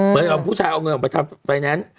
เหมือนเอาผู้ชายเอาเงินออกไปทำไฟแนนซ์